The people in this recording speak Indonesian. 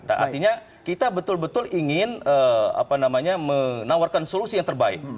artinya kita betul betul ingin menawarkan solusi yang terbaik